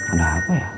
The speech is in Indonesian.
ada apa ya